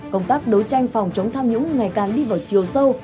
công tác đấu tranh phòng chống tham nhũng ngày càng đi vào chiều sâu